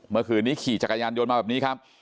เมื่อคืนนี้ขี่จักรยานยนต์มาแบบนี้ครับ